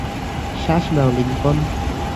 শ্বাস নাও, লিংকন।